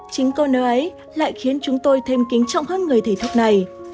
chính câu nói ấy lại khiến chúng tôi thêm kính trọng hơn người thể thức này